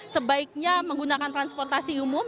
sebaiknya menggunakan transportasi umum